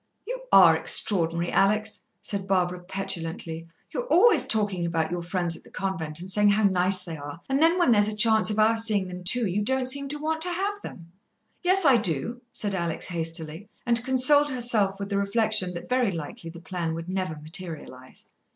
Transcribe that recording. "You are extraordinary, Alex!" said Barbara petulantly. "You're always talking about your friends at the convent and saying how nice they are, and then when there's a chance of our seeing them too, you don't seem to want to have them." "Yes, I do," said Alex hastily, and consoled herself with the reflection that very likely the plan would never materialize.